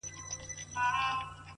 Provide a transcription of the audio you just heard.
لكه د مور چي د دعا خبر په لپه كــي وي”